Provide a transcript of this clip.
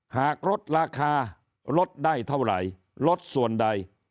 หากลดราคาลดได้เท่าไหร่ลดส่วนใด